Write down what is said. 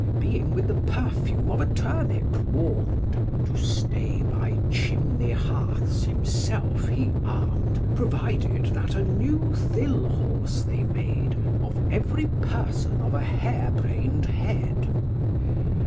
Being with the perfume of a turnip warm'd, To stay by chimney hearths himself he arm'd, Provided that a new thill horse they made Of every person of a hair brain'd head.